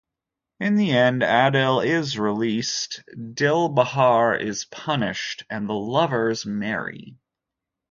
In the end, Adil is released, Dilbahar is punished and the lovers marry.